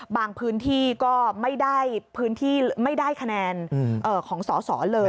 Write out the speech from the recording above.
พื้นที่ก็ไม่ได้พื้นที่ไม่ได้คะแนนของสอสอเลย